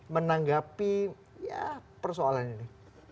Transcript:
menanggapi persoalan ini